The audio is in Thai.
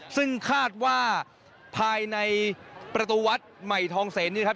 ซึ่งคาดว่าภายในประตูวัดใหม่ทองเสนนี่ครับ